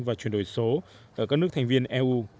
và chuyển đổi số ở các nước thành viên eu